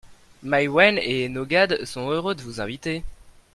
Maiwenn et Enogad sont heureux de vous inviter.